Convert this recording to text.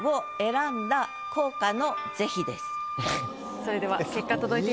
それでは結果届いています。